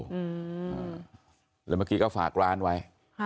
เหมือนเมื่อกี้ก็ฝากร้านไว้